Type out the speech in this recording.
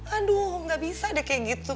aduh gak bisa deh kayak gitu